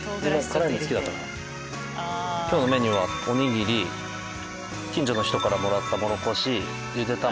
今日のメニューはおにぎり近所の人からもらったモロコシ茹で卵。